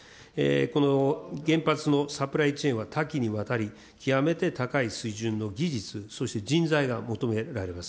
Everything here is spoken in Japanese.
この原発のサプライチェーンは多岐にわたり、極めて高い水準の技術、そして人材が求められます。